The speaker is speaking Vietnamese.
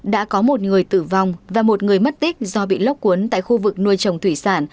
đã có một người tử vong và một người mất tích do bị lốc cuốn tại khu vực nuôi trồng thủy sản